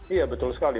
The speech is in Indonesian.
iya betul sekali